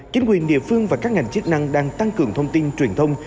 chính quyền địa phương và các ngành chức năng đang tăng cường thông tin truyền thông